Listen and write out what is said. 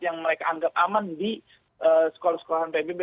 yang mereka anggap aman di sekolah sekolahan pbb